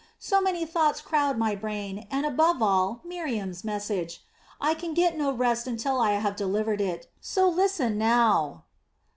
So many thoughts crowd my brain and, above all, Miriam's message. I can get no rest until I have delivered it so listen now."